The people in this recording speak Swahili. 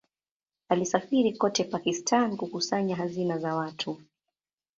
Alisafiri kote Pakistan kukusanya hazina za watu.